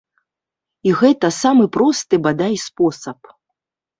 І гэта самы просты, бадай, спосаб.